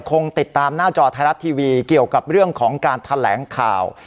คงติดตามหน้าจอไทยรัฐทีวีเกี่ยวกับเรื่องของการแถลงข่าว